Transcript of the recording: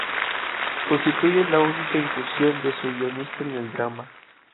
Constituye la única incursión de su guionista en el drama.